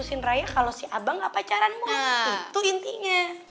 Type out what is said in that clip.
lier soalnya tengah ngomong